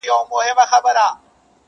په څلورمه ورځ د کور فضا نوره هم درنه کيږي،